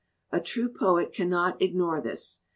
A true poet cannot ignore this.